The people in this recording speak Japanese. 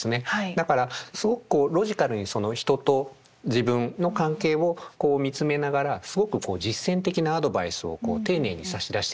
だからすごくこうロジカルに人と自分の関係を見つめながらすごくこう実践的なアドバイスを丁寧に差し出してくれる。